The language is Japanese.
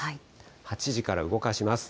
８時から動かします。